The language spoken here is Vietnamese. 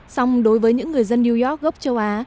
song đối với những người dân new york gốc châu á